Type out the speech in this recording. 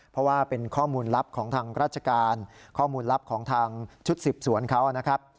เพราะว่าเป็นข้อมูลลับของทางราชการข้อมูลลับของทางชุดสืบสวนเขานะครับ